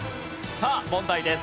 さあ問題です。